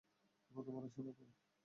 কত বড় সেনাদল!